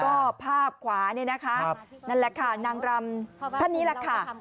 ก็ภาพขวานี่นะคะนั่นแหละค่ะนางรำท่านนี้แหละค่ะ